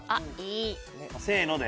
せの！で。